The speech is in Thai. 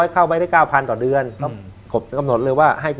ค่าแรงไง